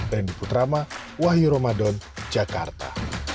randy putrama wahyu ramadan jakarta